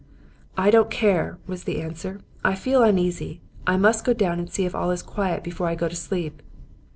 "'I don't care,' was the answer; 'I feel uneasy. I must go down and see that all is quiet before I go to sleep.'